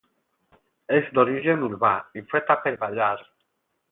És d'origen urbà, i feta per ballar.